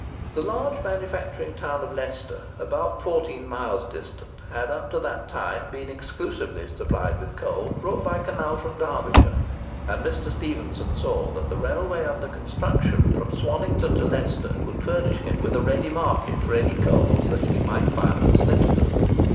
The large manufacturing town of Leicester, about fourteen miles distant, had up to that time been exclusively supplied with coal brought by canal from Derbyshire; and Mr. Stephenson saw that the railway under construction from Swannington to Leicester, would furnish him with a ready market for any coals which he might find at Snibston.